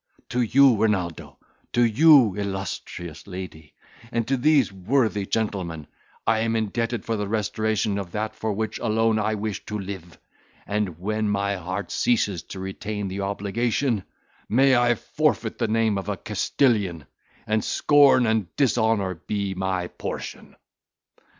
To you, Renaldo, to you illustrious lady, and to these worthy gentlemen, am I indebted for the restoration of that for which alone I wish to live; and when my heart ceases to retain the obligation, may I forfeit the name of a Castilian, and scorn and dishonour be my portion."